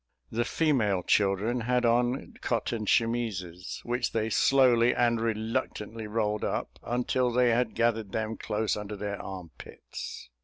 The female children had on cotton chemises, which they slowly and reluctantly rolled up, until they had gathered them close under their armpits.